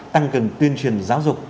tăng cường tuyên truyền giáo dục